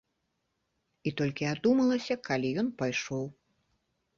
І толькі адумалася, калі ён пайшоў.